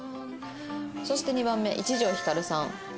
そして２番目一条ヒカルさん。